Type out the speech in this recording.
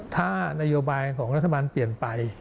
ถ้านโยบายของรัฐบาลเปลี่ยนไป